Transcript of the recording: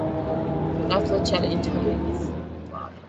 Lasalle challenged Helene's father.